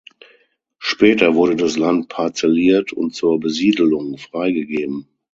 Später wurde das Land parzelliert und zur Besiedelung freigegeben.